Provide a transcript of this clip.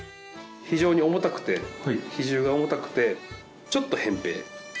非常に重たくて比重が重たくてちょっと扁平。